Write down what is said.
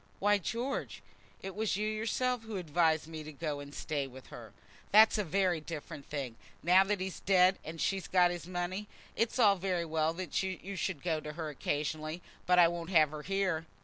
"Why, George, it was you yourself who advised me to go and stay with her." "That's a very different thing. Now that he's dead, and she's got his money, it's all very well that you should go to her occasionally; but I won't have her here."